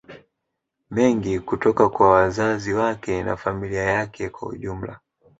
mengi kutoka kwa wazazi wake na familia yake kwa ujumla